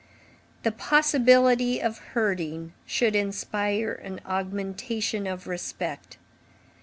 The possibility of hurting should inspire an augmentation of respect.